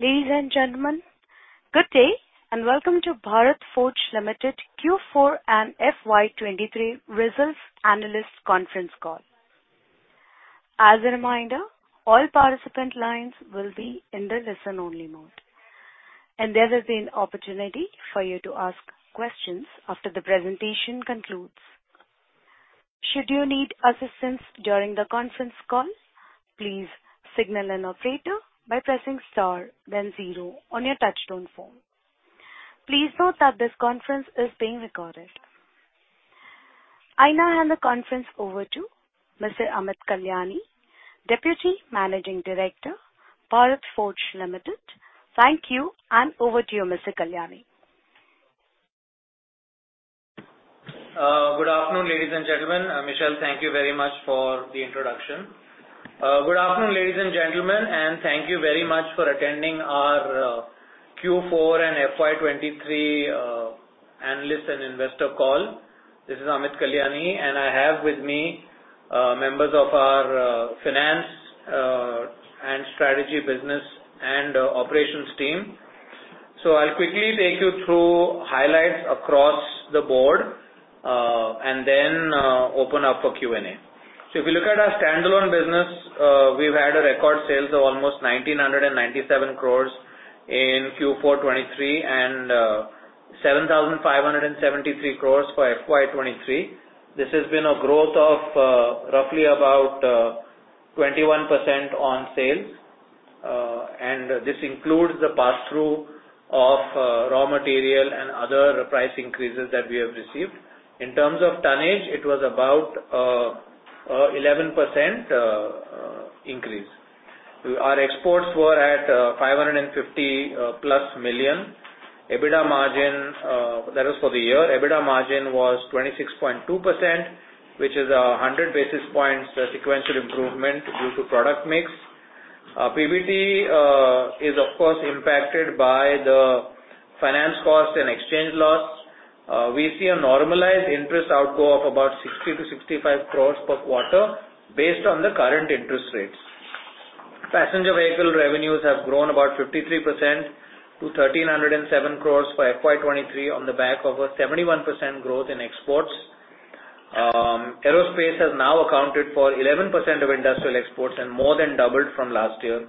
Ladies and gentlemen, good day and welcome to Bharat Forge Limited Q4 and FY 2023 Results Analyst Conference Call. As a reminder, all participant lines will be in the listen-only mode, and there will be an opportunity for you to ask questions after the presentation concludes. Should you need assistance during the conference call, please signal an operator by pressing star then zero on your touchtone phone. Please note that this conference is being recorded. I now hand the conference over to Mr. Amit Kalyani, Deputy Managing Director, Bharat Forge Limited. Thank you. Over to you, Mr. Kalyani. Good afternoon, ladies and gentlemen. Michelle, thank you very much for the introduction. Good afternoon, ladies and gentlemen, and thank you very much for attending our Q4 and FY 2023 analyst and investor call. This is Amit Kalyani, and I have with me members of our finance and strategy business and operations team. I'll quickly take you through highlights across the board, and then open up for Q&A. If you look at our standalone business, we've had a record sales of almost 1,997 crore in Q4 2023 and 7,573 crore for FY 2023. This has been a growth of roughly about 21% on sales, and this includes the passthrough of raw material and other price increases that we have received. In terms of tonnage, it was about 11% increase. Our exports were at $550+ million. EBITDA margin, that was for the year. EBITDA margin was 26.2%, which is a 100 basis points sequential improvement due to product mix. PBT is of course impacted by the finance cost and exchange loss. We see a normalized interest outflow of about 60 crore-65 crore per quarter based on the current interest rates. Passenger vehicle revenues have grown about 53% to 1,307 crore for FY 2023 on the back of a 71% growth in exports. Aerospace has now accounted for 11% of industrial exports and more than doubled from last year.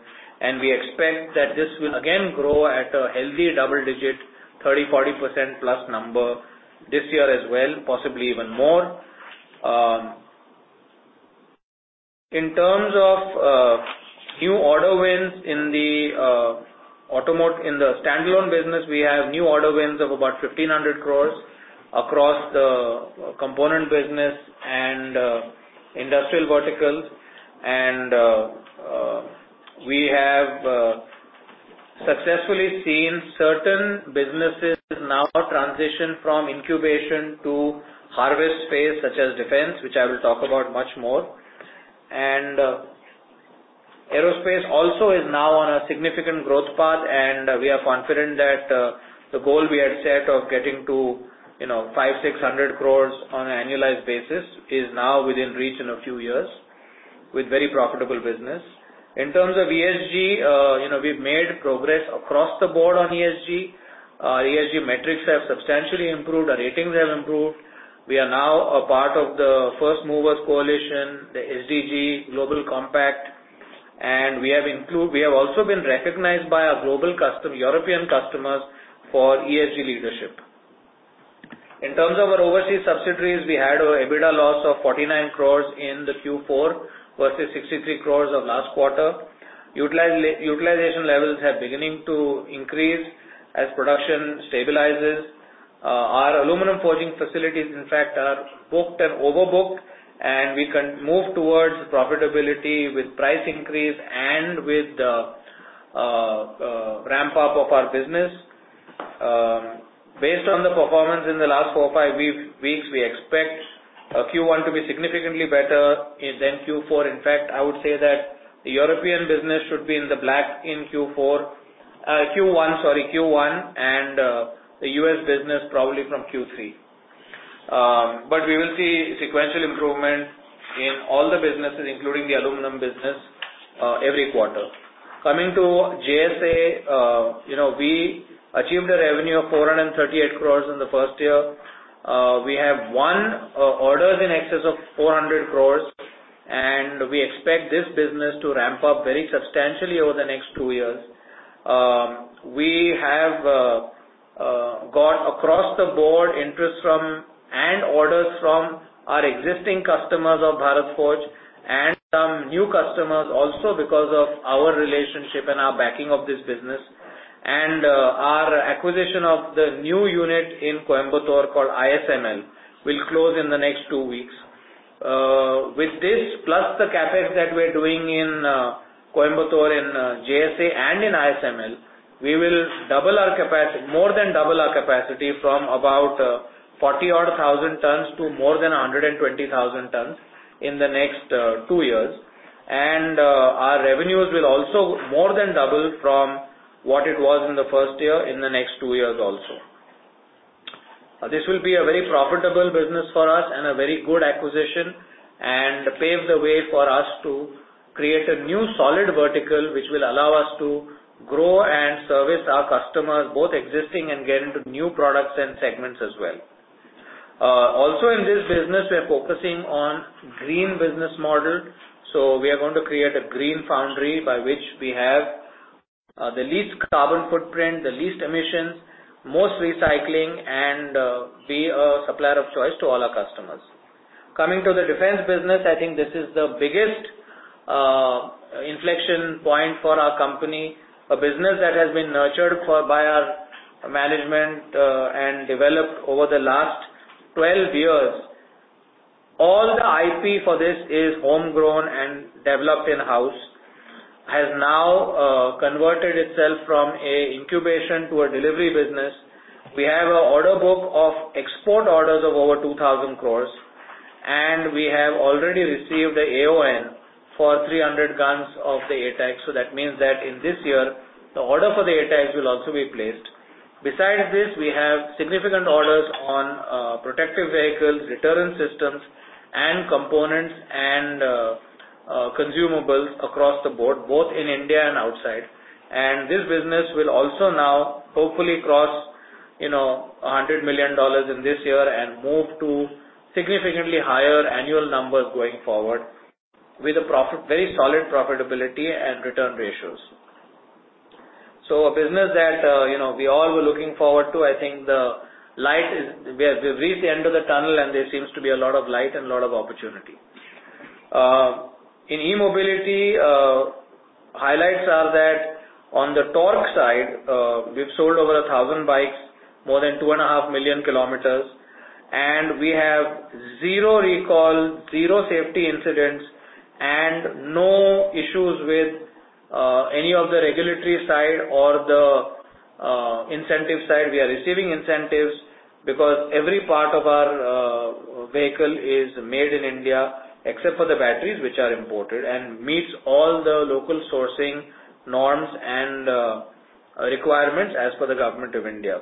We expect that this will again grow at a healthy double digit, 30%, 40%+ number this year as well, possibly even more. In terms of new order wins in the standalone business, we have new order wins of about 1,500 crore across the component business and industrial verticals. We have successfully seen certain businesses now transition from incubation to harvest phase such as defense, which I will talk about much more. Aerospace also is now on a significant growth path, and we are confident that the goal we had set of getting to, you know, 500 crore-600 crore on an annualized basis is now within reach in a few years with very profitable business. In terms of ESG, you know, we've made progress across the board on ESG. Our ESG metrics have substantially improved. Our ratings have improved. We are now a part of the First Movers Coalition, the SDG Global Compact, and we have also been recognized by our European customers for ESG leadership. In terms of our overseas subsidiaries, we had our EBITDA loss of 49 crore in the Q4 versus 63 crore of last quarter. Utilization levels are beginning to increase as production stabilizes. Our aluminum forging facilities, in fact, are booked and overbooked, and we can move towards profitability with price increase and with the ramp up of our business. Based on the performance in the last four or five weeks, we expect Q1 to be significantly better than Q4. In fact, I would say that the European business should be in the black in Q4, Q1, the U.S. business probably from Q3. We will see sequential improvement in all the businesses, including the aluminum business, every quarter. Coming to JSA, you know, we achieved a revenue of 438 crore in the first year. We have won orders in excess of 400 crore, we expect this business to ramp up very substantially over the next two years. We have got across the board interest from and orders from our existing customers of Bharat Forge and some new customers also because of our relationship and our backing of this business. Our acquisition of the new unit in Coimbatore called ISML will close in the next two weeks. With this plus the CapEx that we're doing in Coimbatore in JSA and in ISML, we will more than double our capacity from about 40-odd thousand tons to more than 120,000 tons in the next two years. Our revenues will also more than double from what it was in the first year in the next two years also. This will be a very profitable business for us and a very good acquisition and pave the way for us to create a new solid vertical which will allow us to grow and service our customers, both existing and get into new products and segments as well. Also in this business, we are focusing on green business model. We are going to create a green foundry by which we have the least carbon footprint, the least emissions, most recycling, and be a supplier of choice to all our customers. Coming to the defense business, I think this is the biggest inflection point for our company, a business that has been nurtured by our management and developed over the last 12 years. All the IP for this is homegrown and developed in-house, has now converted itself from a incubation to a delivery business. We have an order book of export orders of over 2,000 crore, and we have already received the AoN for 300 guns of the ATAGS. That means that in this year, the order for the ATAGS will also be placed. Besides this, we have significant orders on protective vehicles, return systems and components and consumables across the board, both in India and outside. This business will also now hopefully cross, you know, $100 million in this year and move to significantly higher annual numbers going forward with very solid profitability and return ratios. A business that, you know, we all were looking forward to, I think the light is, we've reached the end of the tunnel, and there seems to be a lot of light and a lot of opportunity. In eMobility, highlights are that on the Tork side, we've sold over 1,000 bikes, more than 2.5 million kilometers, and we have zero recall, zero safety incidents, and no issues with any of the regulatory side or the incentive side. We are receiving incentives because every part of our vehicle is made in India except for the batteries which are imported and meets all the local sourcing norms and requirements as per the Government of India.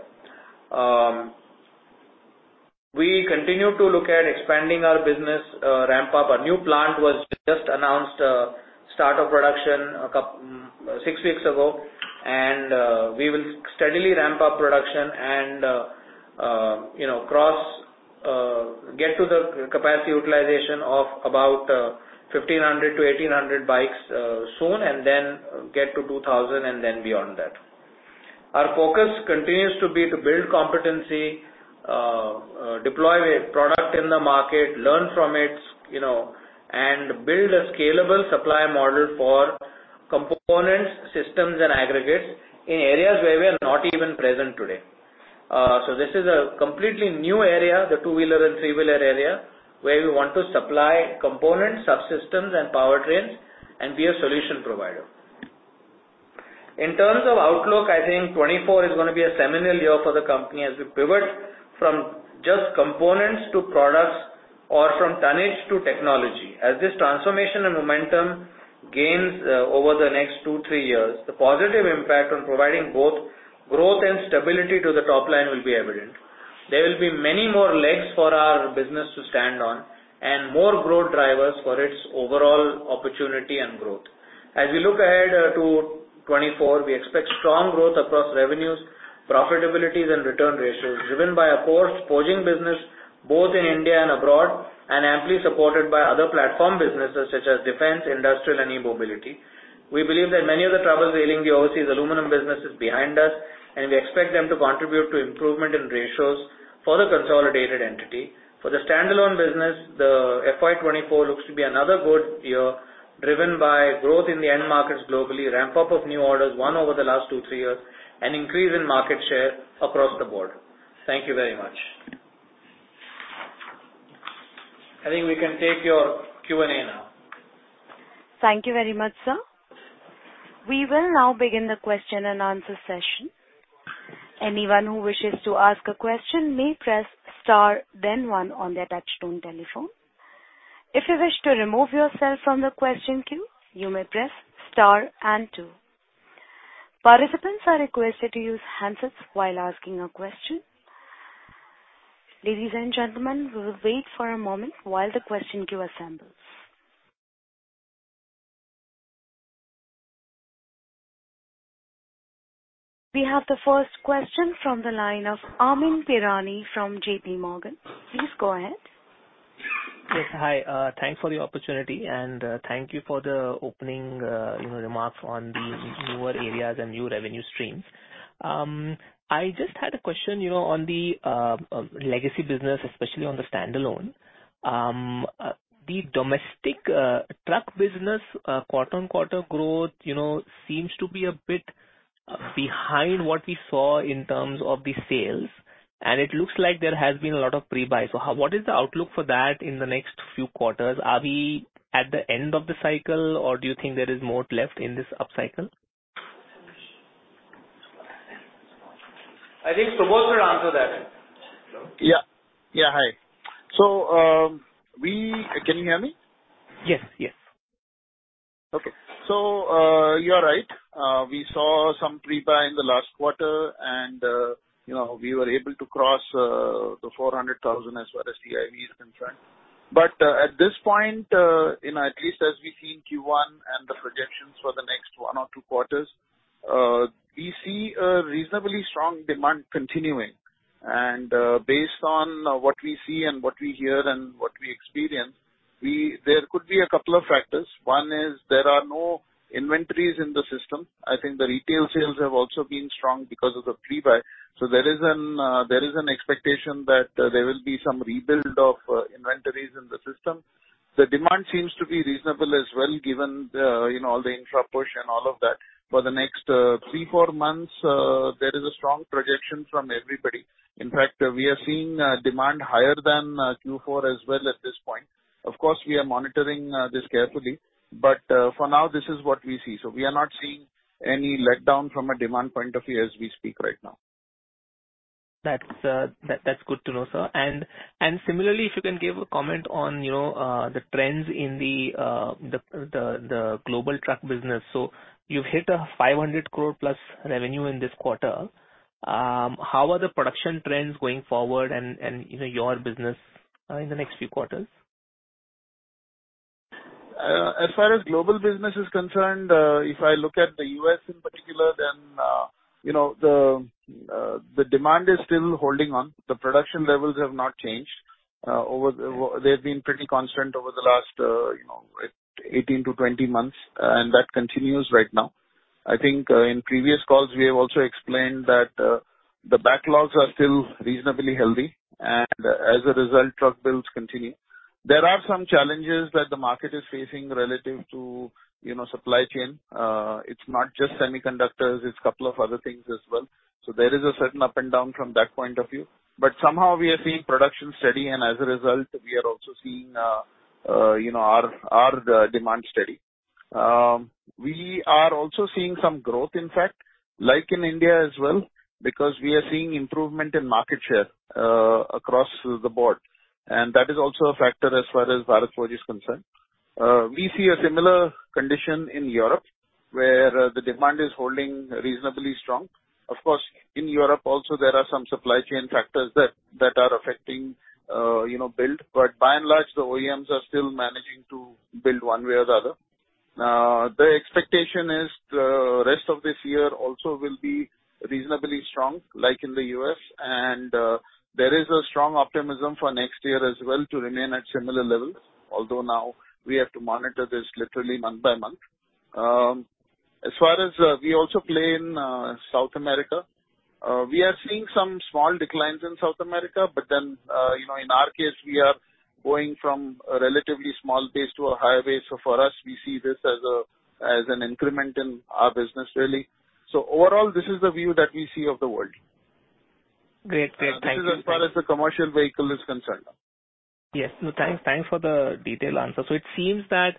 We continue to look at expanding our business, ramp up. Our new plant was just announced, start of production six weeks ago. We will steadily ramp up production and, you know, get to the capacity utilization of about, 1,500 to 1,800 bikes, soon and then get to 2,000 and then beyond that. Our focus continues to be to build competency, deploy the product in the market, learn from it, you know, and build a scalable supply model for components, systems, and aggregates in areas where we are not even present today. This is a completely new area, the two-wheeler and three-wheeler area, where we want to supply components, subsystems and powertrains and be a solution provider. In terms of outlook, I think 2024 is gonna be a seminal year for the company as we pivot from just components to products or from tonnage to technology. As this transformation and momentum gains, over the next two, three years, the positive impact on providing both growth and stability to the top line will be evident. There will be many more legs for our business to stand on and more growth drivers for its overall opportunity and growth. As we look ahead to 2024, we expect strong growth across revenues, profitability and return ratios driven by a core forging business both in India and abroad, and amply supported by other platform businesses such as defense, industrial and eMobility. We believe that many of the troubles ailing the overseas aluminum business is behind us, and we expect them to contribute to improvement in ratios for the consolidated entity. For the standalone business, the FY 2024 looks to be another good year, driven by growth in the end markets globally, ramp up of new orders won over the last two, three years, increase in market share across the board. Thank you very much. I think we can take your Q&A now. Thank you very much, sir. We will now begin the question and answer session. Anyone who wishes to ask a question may press star then one on their touchtone telephone. If you wish to remove yourself from the question queue, you may press star and two. Participants are requested to use handsets while asking a question. Ladies and gentlemen, we will wait for a moment while the question queue assembles. We have the first question from the line of Amyn Pirani from JPMorgan. Please go ahead. Yes. Hi. Thanks for the opportunity, and thank you for the opening, you know, remarks on the newer areas and new revenue streams. I just had a question, you know, on the legacy business, especially on the standalone. The domestic truck business, quarter-on-quarter growth, you know, seems to be a bit behind what we saw in terms of the sales, and it looks like there has been a lot of pre-buy. What is the outlook for that in the next few quarters? Are we at the end of the cycle, or do you think there is more left in this upcycle? I think Subodh will answer that. Yeah. Yeah, hi. Can you hear me? Yes. Yes. You are right. We saw some pre-buy in the last quarter and, you know, we were able to cross the 400,000 as far as GIV is concerned. At this point, you know, at least as we see in Q1 and the projections for the next one or two quarters, we see a reasonably strong demand continuing. Based on what we see and what we hear and what we experience, there could be two factors. One is there are no inventories in the system. I think the retail sales have also been strong because of the pre-buy. There is an expectation that there will be some rebuild of inventories in the system. The demand seems to be reasonable as well, given the, you know, all the infra push and all of that. For the next, three, four months, there is a strong projection from everybody. In fact, we are seeing demand higher than Q4 as well at this point. Of course, we are monitoring this carefully, but for now, this is what we see. We are not seeing any letdown from a demand point of view as we speak right now. That's good to know, sir. Similarly, if you can give a comment on, you know, the trends in the global truck business. You've hit a 500 crore plus revenue in this quarter. How are the production trends going forward and, you know, your business in the next few quarters? As far as global business is concerned, if I look at the U.S. in particular, then, you know, the demand is still holding on. The production levels have not changed. Over the They've been pretty constant over the last, you know, 18-20 months, and that continues right now. I think, in previous calls, we have also explained that, the backlogs are still reasonably healthy, and as a result, truck builds continue. There are some challenges that the market is facing relative to, you know, supply chain. It's not just semiconductors, it's a couple of other things as well. There is a certain up and down from that point of view. Somehow we are seeing production steady, and as a result, we are also seeing, you know, our, demand steady. We are also seeing some growth, in fact, like in India as well, because we are seeing improvement in market share across the board, and that is also a factor as far as Bharat Forge is concerned. We see a similar condition in Europe, where the demand is holding reasonably strong. Of course, in Europe also there are some supply chain factors that are affecting, you know, build. By and large, the OEMs are still managing to build one way or the other. The expectation is the rest of this year also will be reasonably strong, like in the U.S., and there is a strong optimism for next year as well to remain at similar levels. Although now we have to monitor this literally month by month. As far as, we also play in South America. We are seeing some small declines in South America. You know, in our case, we are going from a relatively small base to a higher base. For us, we see this as an increment in our business really. Overall, this is the view that we see of the world. Great. Great. Thank you. This is as far as the commercial vehicle is concerned. Yes. No, thanks for the detailed answer. It seems that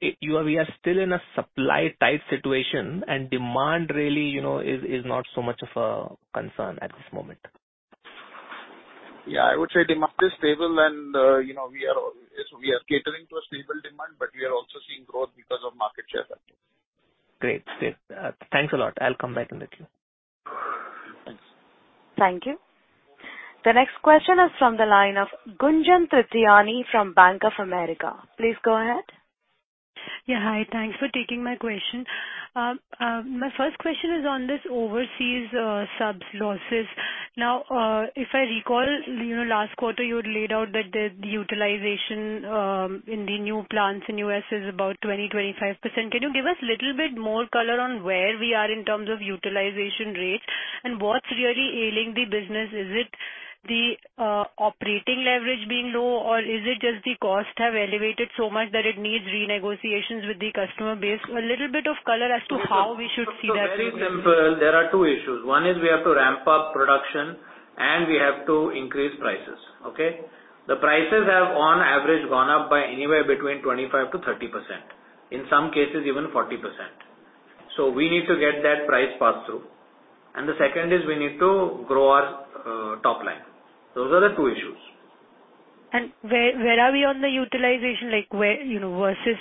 we are still in a supply type situation and demand really, you know, is not so much of a concern at this moment. Yeah, I would say demand is stable and, you know, we are, yes, we are catering to a stable demand, but we are also seeing growth because of market share factors. Great. Great. Thanks a lot. I'll come back in the queue. Thanks. Thank you. The next question is from the line of Gunjan Prithyani from Bank of America. Please go ahead. Yeah. Hi. Thanks for taking my question. My first question is on this overseas subs losses. If I recall, you know, last quarter you had laid out that the utilization in the new plants in U.S. is about 20%-25%. Can you give us a little bit more color on where we are in terms of utilization rates, and what's really ailing the business? Is it the operating leverage being low, or is it just the cost have elevated so much that it needs renegotiations with the customer base? A little bit of color as to how we should see that. Very simple. There are two issues. One is we have to ramp up production and we have to increase prices. Okay. The prices have on average gone up by anywhere between 25%-30%, in some cases even 40%. We need to get that price pass-through. The second is we need to grow our top line. Those are the two issues. Where are we on the utilization? Like where... you know, versus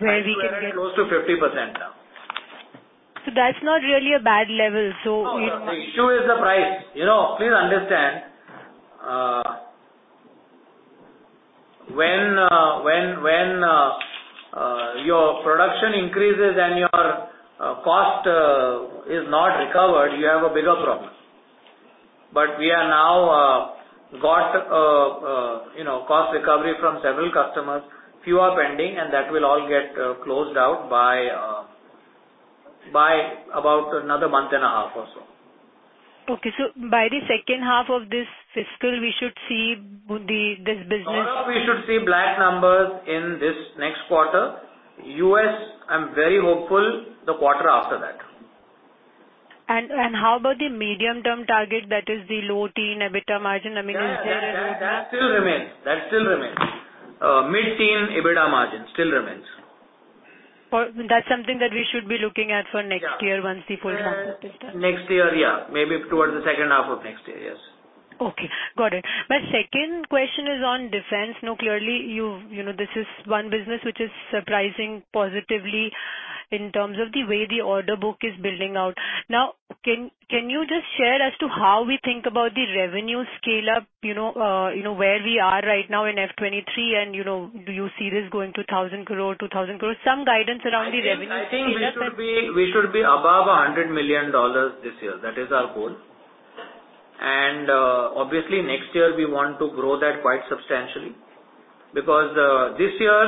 where we can get- Close to 50% now. That's not really a bad level, so. No, the issue is the price. You know, please understand, when your production increases and your cost is not recovered, you have a bigger problem. We are now got, you know, cost recovery from several customers. Few are pending, and that will all get closed out by about another month and a half or so. Okay. By the second half of this fiscal, we should see this business. Overall, we should see black numbers in this next quarter. U.S., I'm very hopeful the quarter after that. How about the medium-term target, that is the low-teen EBITDA margin? I mean, is there? Yeah, that still remains. That still remains. mid-teen EBITDA margin still remains. That's something that we should be looking at for next year. Yeah. Once the full ramp-up is done. Next year, yeah. Maybe towards the second half of next year. Yes. Okay, got it. My second question is on defense. Clearly, you know, this is one business which is surprising positively in terms of the way the order book is building out. Can you just share as to how we think about the revenue scale-up, you know, you know, where we are right now in FY 2023 and, you know, do you see this going to 1,000 crore, 2,000 crore? Some guidance around the revenue scale-up. I think we should be above $100 million this year. That is our goal. Obviously next year we want to grow that quite substantially because this year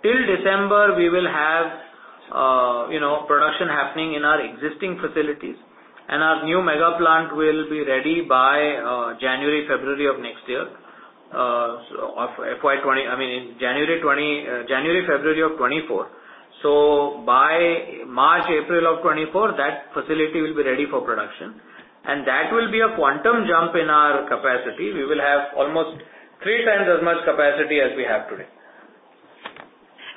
till December, we will have, you know, production happening in our existing facilities, and our new mega plant will be ready by January, February of next year, I mean, January, February of 2024. By March, April of 2024, that facility will be ready for production, and that will be a quantum jump in our capacity. We will have almost 3x as much capacity as we have today.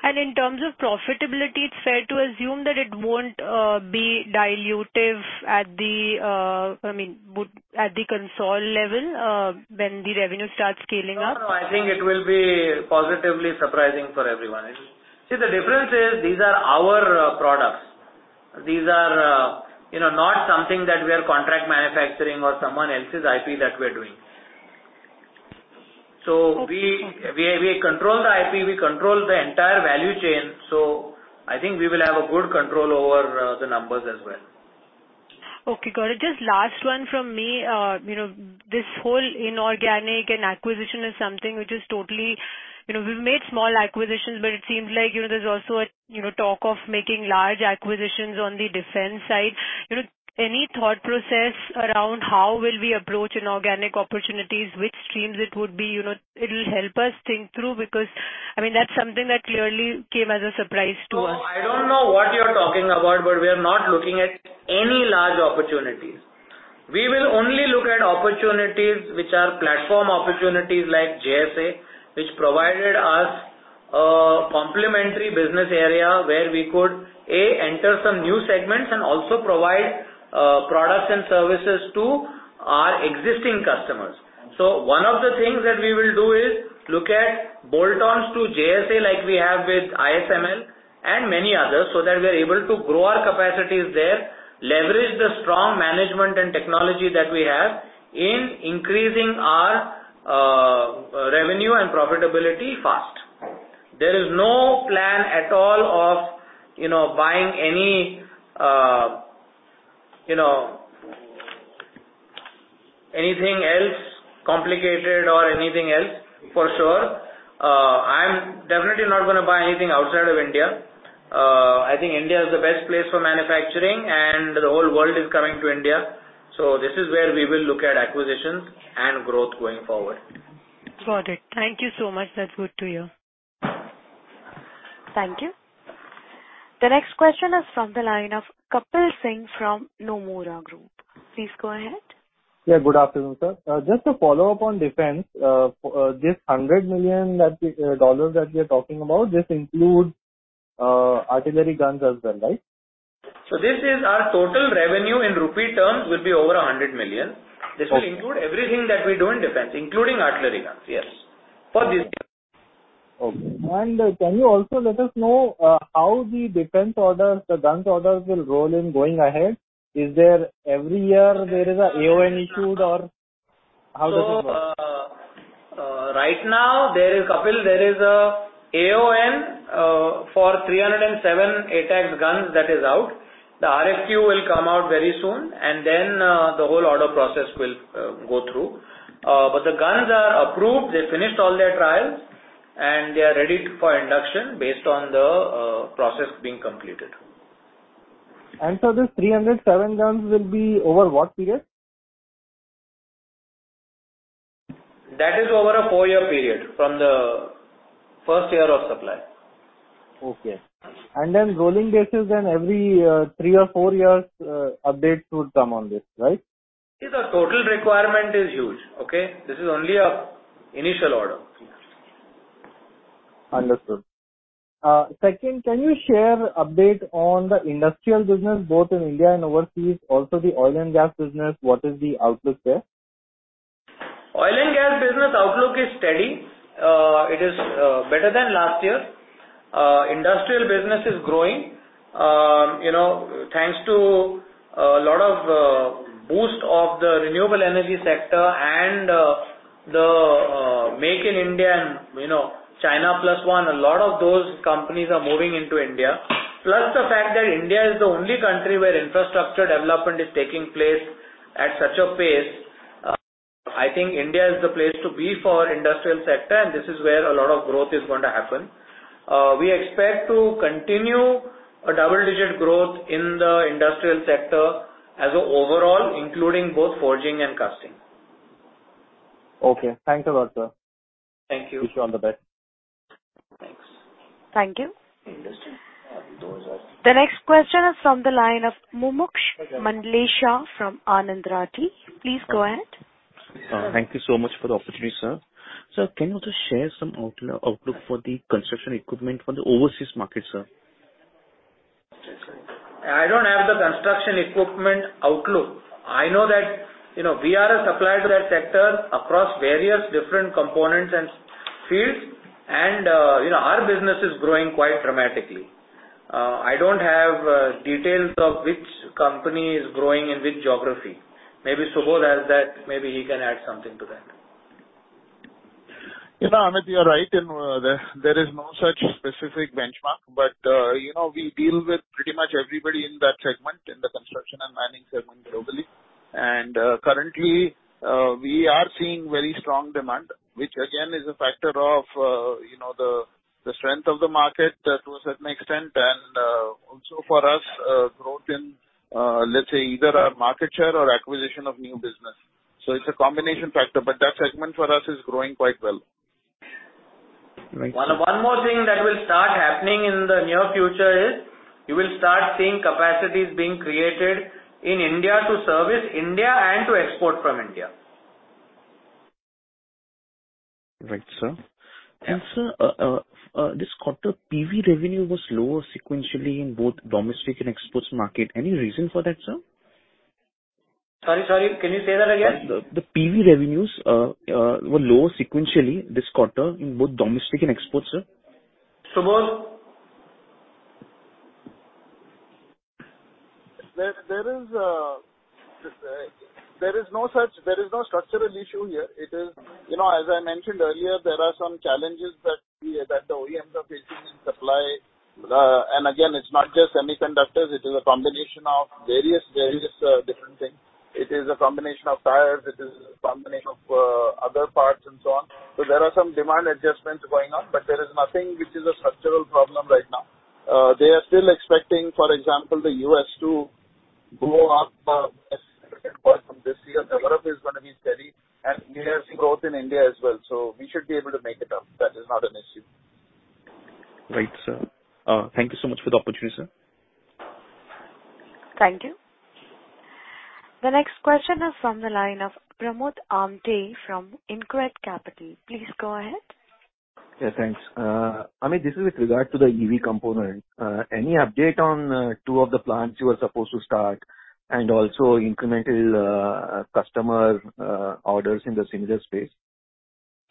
In terms of profitability, it's fair to assume that it won't be dilutive at the, I mean, at the console level, when the revenue starts scaling up? No, no. I think it will be positively surprising for everyone. See, the difference is these are our products. These are, you know, not something that we are contract manufacturing or someone else's IP that we're doing. Okay. We control the IP, we control the entire value chain, so I think we will have a good control over the numbers as well. Okay, got it. Just last one from me. You know, this whole inorganic and acquisition is something which is totally... You know, we've made small acquisitions, but it seems like, you know, there's also a, you know, talk of making large acquisitions on the defense side. You know, any thought process around how will we approach inorganic opportunities, which streams it would be? You know, it'll help us think through, because, I mean, that's something that clearly came as a surprise to us. I don't know what you're talking about, but we are not looking at any large opportunities. We will only look at opportunities which are platform opportunities like JSA, which provided us a complementary business area where we could, A, enter some new segments and also provide products and services to our existing customers. One of the things that we will do is look at bolt-ons to JSA like we have with ISML and many others, so that we are able to grow our capacities there, leverage the strong management and technology that we have in increasing our revenue and profitability fast. There is no plan at all of, you know, buying any, you know, anything else complicated or anything else for sure. I'm definitely not gonna buy anything outside of India. I think India is the best place for manufacturing, and the whole world is coming to India. This is where we will look at acquisitions and growth going forward. Got it. Thank you so much. That's good to hear. Thank you. The next question is from the line of Kapil Singh from Nomura Group. Please go ahead. Yeah, good afternoon, sir. Just to follow up on defense, this $100 million that we are talking about, this includes artillery guns as well, right? This is our total revenue in rupee term will be over $100 million. Okay. This will include everything that we do in defense, including artillery guns, yes. For this year. Okay. Can you also let us know how the defense orders, the guns orders will roll in going ahead? Is there every year there is a AoN issued or how does it work? Right now there is, Kapil, there is a AoN for 307 ATAGS guns that is out. The RFQ will come out very soon, and then the whole order process will go through. The guns are approved. They finished all their trials, and they are ready for induction based on the process being completed. These 307 guns will be over what period? That is over a four-year period from the first year of supply. Okay. rolling basis then every three or four years, updates would come on this, right? The total requirement is huge, okay? This is only a initial order. Understood. Second, can you share update on the industrial business both in India and overseas, also the oil and gas business, what is the outlook there? Oil and gas business outlook is steady. It is better than last year. Industrial business is growing. You know, thanks to a lot of boost of the renewable energy sector and the Make in India and, you know, China Plus One, a lot of those companies are moving into India. Plus the fact that India is the only country where infrastructure development is taking place at such a pace. I think India is the place to be for industrial sector, and this is where a lot of growth is going to happen. We expect to continue a double-digit growth in the industrial sector as an overall, including both forging and casting. Okay. Thanks a lot, sir. Thank you. Wish you all the best. Thank you. The next question is from the line of Mumuksh Mandlesha from Anand Rathi. Please go ahead. Thank you so much for the opportunity, sir. Sir, can you just share some outlook for the construction equipment for the overseas market, sir? I don't have the construction equipment outlook. I know that, you know, we are a supplier to that sector across various different components and fields, and, you know, our business is growing quite dramatically. I don't have details of which company is growing in which geography. Maybe Subodh has that. Maybe he can add something to that. You know, Amit, you're right in, there is no such specific benchmark, but, you know, we deal with pretty much everybody in that segment, in the construction and mining segment globally. Currently, we are seeing very strong demand, which again is a factor of, you know, the strength of the market to a certain extent, and also for us, growth in, let's say, either our market share or acquisition of new business. It's a combination factor, but that segment for us is growing quite well. One more thing that will start happening in the near future is you will start seeing capacities being created in India to service India and to export from India. Right, sir. Sir, this quarter PV revenue was lower sequentially in both domestic and exports market. Any reason for that, sir? Sorry. Can you say that again? The PV revenues were lower sequentially this quarter in both domestic and exports, sir. Subodh? There is no structural issue here. It is, you know, as I mentioned earlier, there are some challenges that the OEMs are facing in supply. And again, it's not just semiconductors, it is a combination of various different things. It is a combination of tires, it is a combination of other parts and so on. There are some demand adjustments going on, but there is nothing which is a structural problem right now. They are still expecting, for example, the U.S. to grow up from this year. Europe is gonna be steady, and we are seeing growth in India as well. We should be able to make it up. That is not an issue. Right, sir. thank you so much for the opportunity, sir. Thank you. The next question is from the line of Pramod Amthe from InCred Capital. Please go ahead. Yeah, thanks. Amit, this is with regard to the EV component. Any update on two of the plants you were supposed to start and also incremental customer orders in the similar space?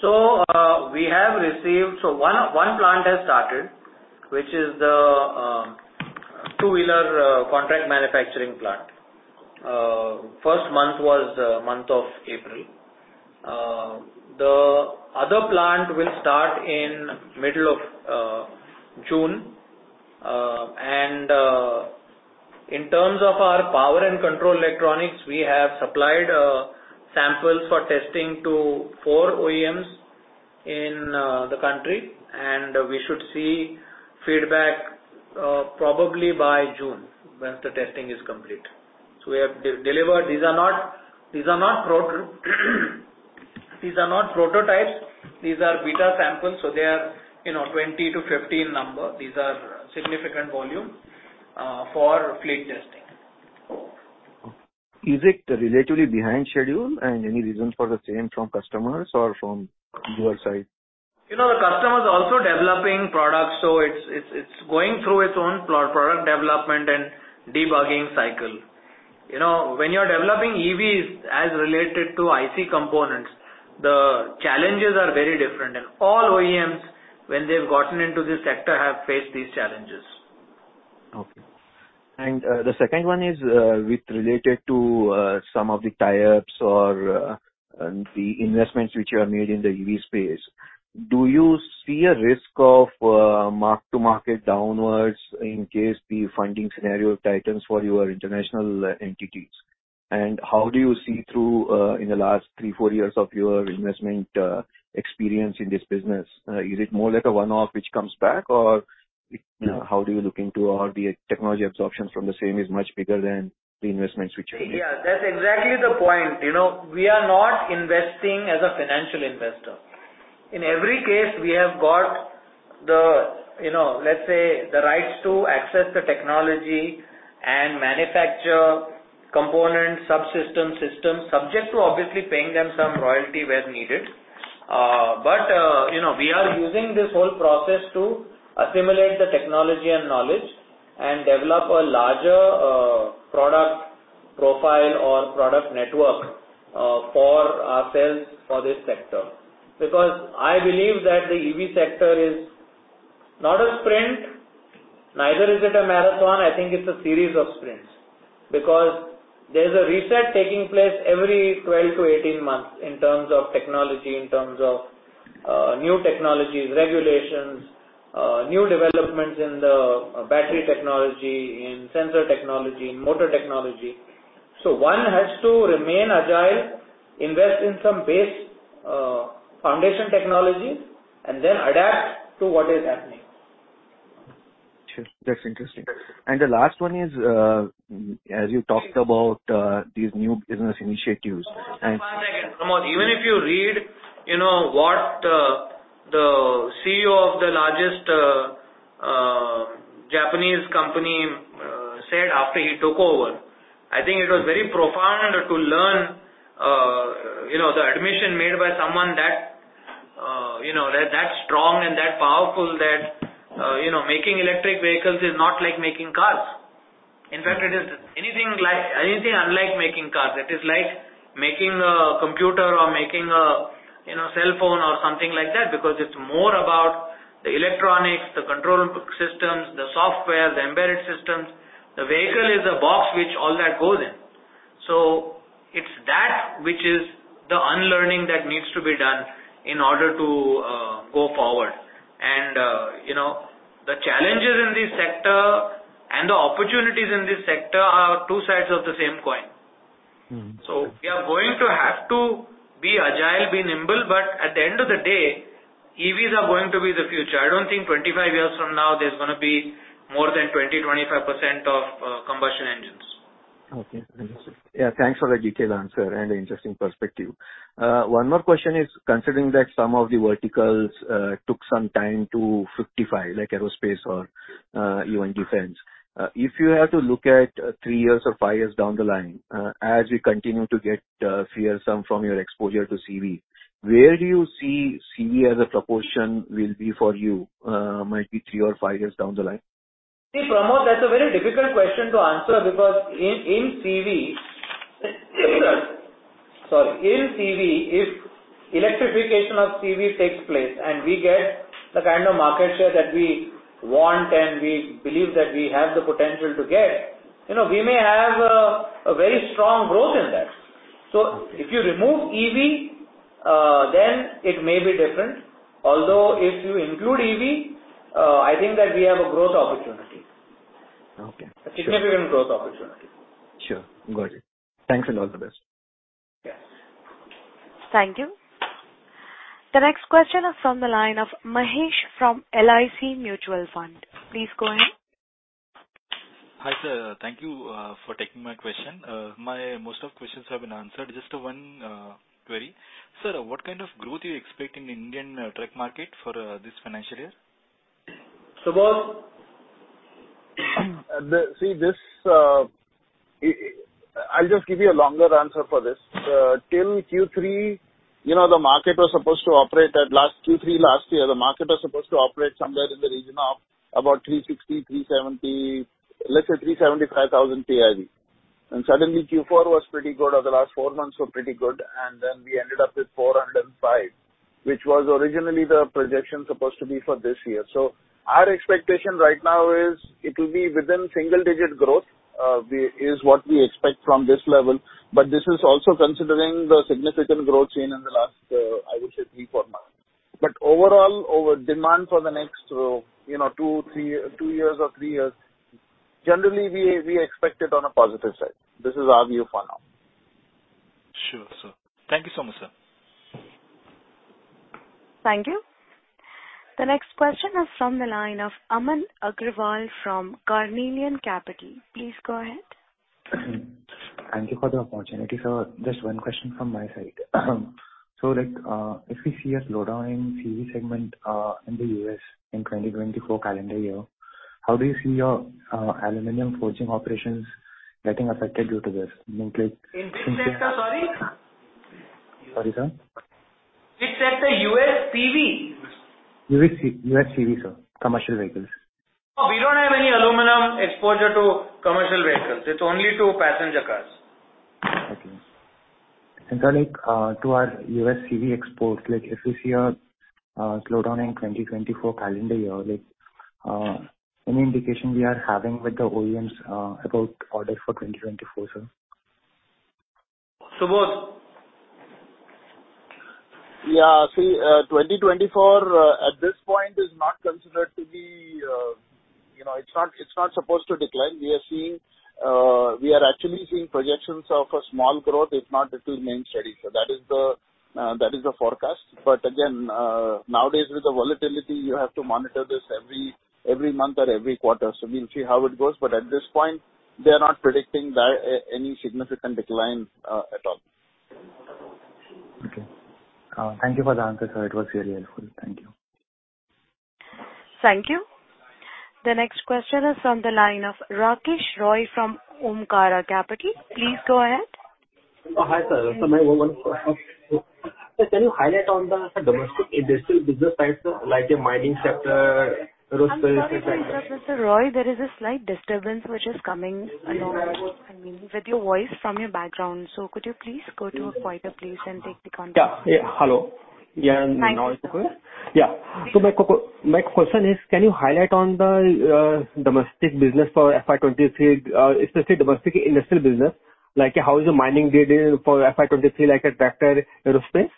One plant has started, which is the two-wheeler contract manufacturing plant. First month was the month of April. The other plant will start in middle of June. In terms of our power and control electronics, we have supplied samples for testing to four OEMs in the country, and we should see feedback probably by June once the testing is complete. We have delivered. These are not prototypes. These are beta samples, so they are, you know, 20 to 15 number. These are significant volume for fleet testing. Is it relatively behind schedule? Any reason for the same from customers or from your side? You know, the customer is also developing products. It's going through its own product development and debugging cycle. You know, when you're developing EVs as related to IC components, the challenges are very different. All OEMs, when they've gotten into this sector, have faced these challenges. Okay. The second one is with related to some of the tie-ups or the investments which you have made in the EV space. Do you see a risk of mark-to-market downwards in case the funding scenario tightens for your international entities? How do you see through in the last three, four years of your investment experience in this business? Is it more like a one-off which comes back or, you know, how do you look into or the technology absorption from the same is much bigger than the investments which you made? Yeah, that's exactly the point. You know, we are not investing as a financial investor. In every case, we have got the, you know, let's say, the rights to access the technology and manufacture components, subsystems, systems, subject to obviously paying them some royalty where needed. You know, we are using this whole process to assimilate the technology and knowledge and develop a larger product profile or product network for ourselves for this sector. I believe that the EV sector is not a sprint, neither is it a marathon. I think it's a series of sprints. There's a reset taking place every 12 to 18 months in terms of technology, in terms of new technologies, regulations, new developments in the battery technology, in sensor technology, in motor technology. One has to remain agile, invest in some base, foundation technologies, and then adapt to what is happening. Sure. That's interesting. The last one is, as you talked about, these new business initiatives. Pramod, five seconds. Pramod, even if you read, you know, what the CEO of the largest Japanese company said after he took over, I think it was very profound to learn, you know, the admission made by someone that You know, that strong and that powerful that, you know, making electric vehicles is not like making cars. In fact, it is anything unlike making cars. It is like making a computer or making a, you know, cell phone or something like that, because it's more about the electronics, the control systems, the software, the embedded systems. The vehicle is a box which all that goes in. It's that which is the unlearning that needs to be done in order to go forward. you know, the challenges in this sector and the opportunities in this sector are two sides of the same coin. We are going to have to be agile, be nimble, but at the end of the day, EVs are going to be the future. I don't think 25 years from now there's gonna be more than 20%-25% of combustion engines. Okay. Understood. Yeah, thanks for the detailed answer and the interesting perspective. One more question is considering that some of the verticals took some time to 55, like aerospace or even defense. If you have to look at three years or five years down the line, as we continue to get fearsome from your exposure to CV, where do you see CV as a proportion will be for you, might be three or five years down the line? Pramod, that's a very difficult question to answer because in CV, if electrification of CV takes place and we get the kind of market share that we want and we believe that we have the potential to get, you know, we may have a very strong growth in that. If you remove EV, then it may be different. Although if you include EV, I think that we have a growth opportunity. Okay. Sure. A significant growth opportunity. Sure. Got it. Thanks and all the best. Thank you. The next question is from the line of Mahesh from LIC Mutual Fund. Please go ahead. Hi, sir. Thank you for taking my question. My most of questions have been answered. Just one query. Sir, what kind of growth you expect in Indian truck market for this financial year? Subodh. See this, I'll just give you a longer answer for this. Till Q3, you know, the market was supposed to operate at last Q3 last year, the market was supposed to operate somewhere in the region of about 360,000, 370,000 let's say 375,000 TIV. Suddenly Q4 was pretty good, or the last four months were pretty good, and then we ended up with 405, which was originally the projection supposed to be for this year. Our expectation right now is it'll be within single-digit growth, we, is what we expect from this level. This is also considering the significant growth seen in the last, I would say three, four months. overall, over demand for the next, you know, two, three, two years or three years, generally we expect it on a positive side. This is our view for now. Sure, sir. Thank you so much, sir. Thank you. The next question is from the line of Aman Agrawal from Carnelian Capital. Please go ahead. Thank you for the opportunity, sir. Just one question from my side. Like, if we see a slowdown in CV segment, in the U.S. in 2024 calendar year, how do you see your aluminum forging operations getting affected due to this? In which sector, sorry? Sorry, sir. Which sector? U.S., CV? U.S. CV, sir. Commercial vehicles. No, we don't have any aluminum exposure to commercial vehicles. It's only to passenger cars. Okay. like, to our U.S. CV exports, like if we see a slowdown in 2024 calendar year, like, any indication we are having with the OEMs, about order for 2024, sir? Subodh. Yeah. See, 2024, at this point is not considered to be, you know, it's not supposed to decline. We are seeing, we are actually seeing projections of a small growth, if not it will remain steady. That is the, that is the forecast. Again, nowadays with the volatility, you have to monitor this every month or every quarter. We'll see how it goes. At this point they are not predicting any significant decline, at all. Okay. Thank you for the answer, sir. It was very helpful. Thank you. Thank you. The next question is from the line of Rakesh Roy from Omkara Capital. Please go ahead. Oh, hi, sir. My one question. Sir, can you highlight on the domestic industrial business side, sir? Like a mining sector, aerospace sector- I'm sorry to interrupt, Mr. Roy, there is a slight disturbance which is coming along, I mean, with your voice from your background. Could you please go to a quieter place and take the call? Yeah. Yeah. Hello. Yeah. Thank you, sir. Now it's clear? Yeah. My question is, can you highlight on the domestic business for FY 2023, especially domestic industrial business, like how is your mining did for FY 2023, like a tractor aerospace?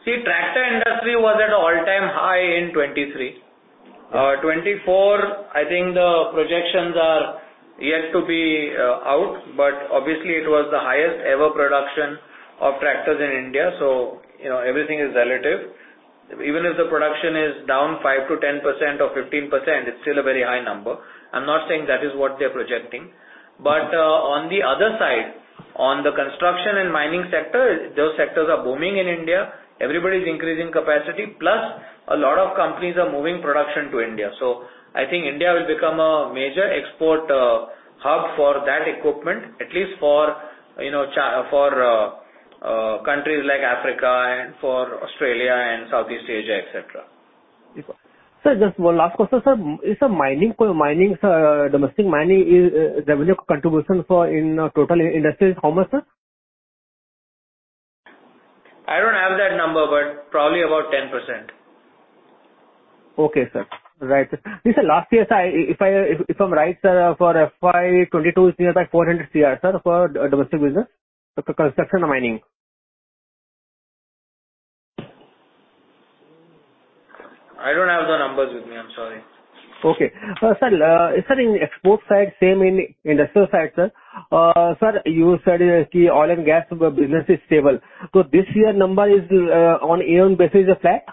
Tractor industry was at all-time high in 2023. 2024, I think the projections are yet to be out, obviously it was the highest ever production of tractors in India. You know, everything is relative. Even if the production is down 5%-10% or 15%, it's still a very high number. I'm not saying that is what they're projecting. On the other side, on the construction and mining sector, those sectors are booming in India. Everybody's increasing capacity, plus a lot of companies are moving production to India. I think India will become a major export for that equipment, at least for, you know, countries like Africa and for Australia and Southeast Asia, et cetera. Sir, just one last question, sir. Is mining, sir, domestic mining is revenue contribution for in total industry is how much, sir? I don't have that number, but probably about 10%. Okay, sir. Right. Sir, last year, sir, if I'm right, sir, for FY 2022, it was about 400 crore, sir, for domestic business, for construction and mining. I don't have the numbers with me. I'm sorry. Okay. sir, in export side, same in industrial side, sir. You said oil and gas business is stable. This year number is on year-on basis is flat?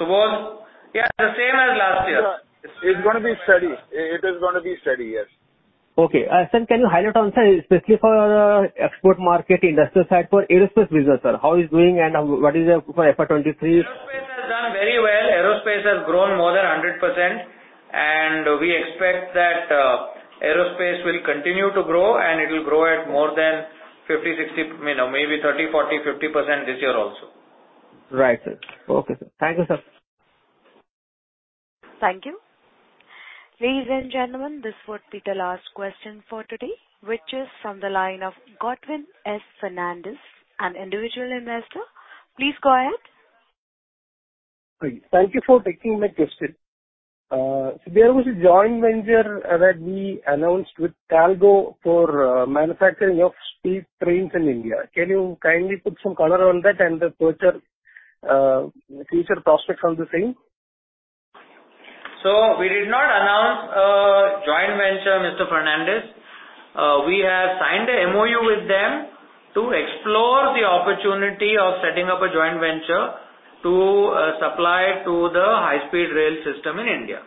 Subodh? Yeah, the same as last year. Sir, it's gonna be steady. It is gonna be steady, yes. Okay. Sir, can you highlight on, sir, especially for export market, industrial side for aerospace business, sir? How is doing and what is your for FY 2023? Aerospace has done very well. Aerospace has grown more than 100%, and we expect that aerospace will continue to grow, and it will grow at more than 50%, 60%, you know, maybe 30%, 40%, 50% this year also. Right, sir. Okay, sir. Thank you, sir. Thank you. Ladies and gentlemen, this would be the last question for today, which is from the line of Godwin S. Fernandes, an individual investor. Please go ahead. Hi. Thank you for taking my question. There was a joint venture that we announced with Talgo for manufacturing of speed trains in India. Can you kindly put some color on that and the future prospects on the same? We did not announce a joint venture, Mr. Fernandes. We have signed a MOU with them to explore the opportunity of setting up a joint venture to supply to the high-speed rail system in India.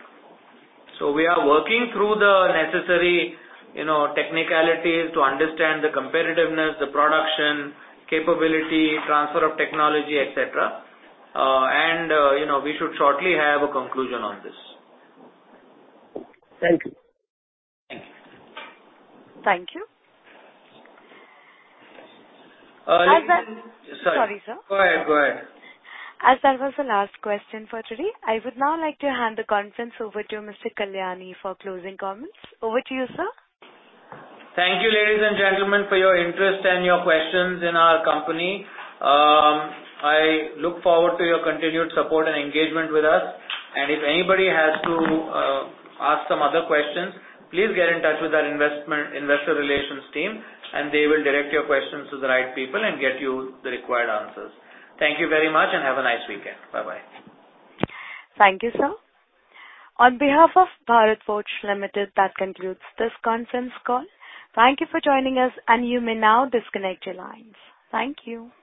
We are working through the necessary, you know, technicalities to understand the competitiveness, the production capability, transfer of technology, et cetera, and, you know, we should shortly have a conclusion on this. Thank you. Thank you. Thank you. Uh, and- As that- Sorry. Sorry, sir. Go ahead, go ahead. As that was the last question for today, I would now like to hand the conference over to Mr. Kalyani for closing comments. Over to you, sir. Thank you, ladies and gentlemen, for your interest and your questions in our company. I look forward to your continued support and engagement with us. If anybody has to ask some other questions, please get in touch with our investor relations team, and they will direct your questions to the right people and get you the required answers. Thank you very much and have a nice weekend. Bye-bye. Thank you, sir. On behalf of Bharat Forge Limited, that concludes this conference call. Thank you for joining us, and you may now disconnect your lines. Thank you.